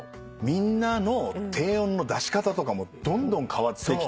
みんなの低音の出し方とかもどんどん変わってきて。